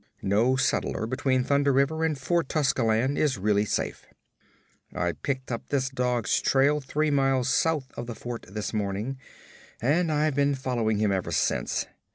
No settler between Thunder River and Fort Tuscelan is really safe. I picked up this dog's trail three miles south of the fort this morning, and I've been following him ever since.